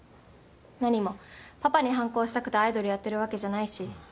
なにもパパに反抗したくてアイドルやってるわけじゃないし。